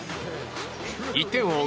１点を追う